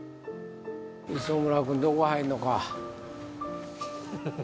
磯村くんどこ入んのか？